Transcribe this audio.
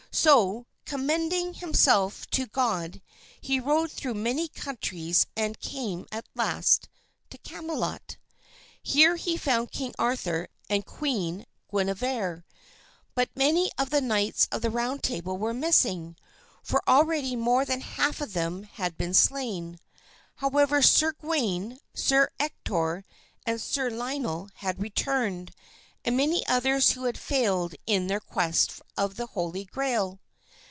So, commending himself to God, he rode through many countries and came at last to Camelot. Here he found King Arthur and Queen Guinevere; but many of the knights of the Round Table were missing, for already more than half of them had been slain. However, Sir Gawain, Sir Ector, and Sir Lionel had returned, and many others who had failed in their quest of the Holy Grail.